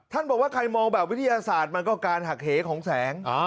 บอกว่าใครมองแบบวิทยาศาสตร์มันก็การหักเหของแสง